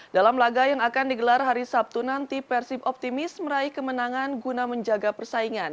dalam laga yang akan digelar hari sabtu nanti persib optimis meraih kemenangan guna menjaga persaingan